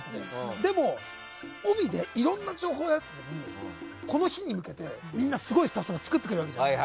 でも帯でいろんな情報に会った時にこの日に向けてみんなすごいものをスタッフさんが作ってくれるわけじゃない。